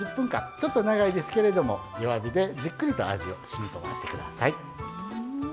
ちょっと長いですけれども弱火で、じっくりと味をしみこませてください。